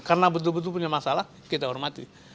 karena betul betul punya masalah kita hormati